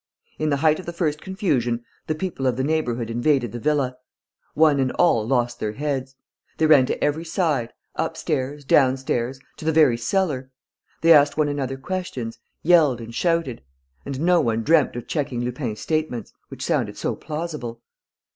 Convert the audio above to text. In the height of the first confusion, the people of the neighbourhood invaded the villa. One and all lost their heads. They ran to every side, upstairs, downstairs, to the very cellar. They asked one another questions, yelled and shouted; and no one dreamt of checking Lupin's statements, which sounded so plausible.